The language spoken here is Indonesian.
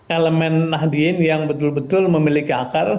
elemen nahdien yang betul betul memiliki akar